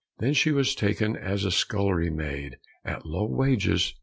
Then she was taken as a scullery maid at low wages.